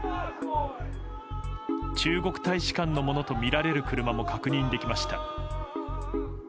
中国大使館のものとみられる車も確認できました。